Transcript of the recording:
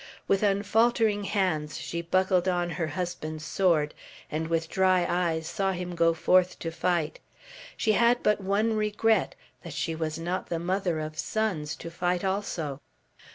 With unfaltering hands she buckled on her husband's sword, and with dry eyes saw him go forth to fight. She had but one regret, that she was not the mother of sons to fight also.